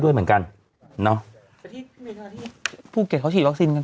ด้วยเหมือนกันเนอะแต่ที่เมธาที่ภูเก็ตเขาฉีดวัคซีนกัน